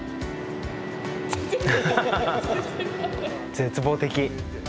絶望的。